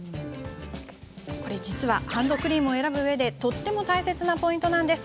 実はハンドクリームを選ぶ上でとっても大切なポイントなんです。